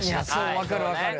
そう分かる分かる。